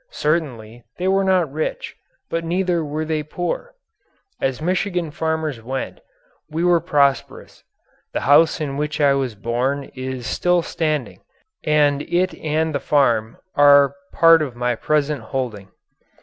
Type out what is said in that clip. Certainly they were not rich, but neither were they poor. As Michigan farmers went, we were prosperous. The house in which I was born is still standing, and it and the farm are part of my present holding.